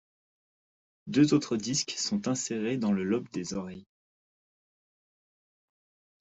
Deux autres disques sont insérés dans le lobe des oreilles.